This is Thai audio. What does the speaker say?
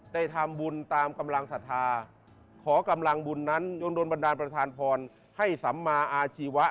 ได้ทำบุญตามกำลังศรัทธาขอกำลังบุญนั้นยังโดนบันดาลประธานพรให้สัมมาอาชีวะ